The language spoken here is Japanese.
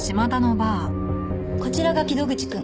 こちらが木戸口くん。